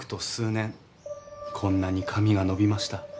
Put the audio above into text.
こんなに髪が伸びました。